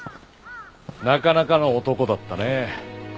なかなかの男だったね。